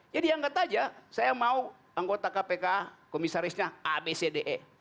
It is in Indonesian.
jadi anggat saja saya mau anggota kpk komisarisnya abcde